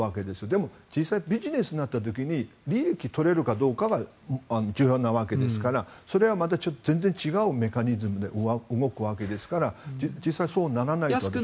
でも、実際ビジネスになった時に利益をとれるかどうかは重要なわけですからそれはまた全然違うメカニズムで動くわけですから実際はそうならないと思います。